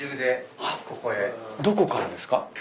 どこからですか？